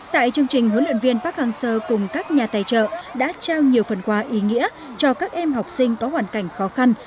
tại chương trình huấn luyện viên park hang seo cùng các nhà tài trợ đã trao nhiều phần quà ý nghĩa cho các em học sinh có hoàn cảnh khó khăn